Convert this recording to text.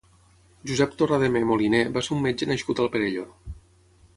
Josep Torrademé Moliné va ser un metge nascut al Perelló.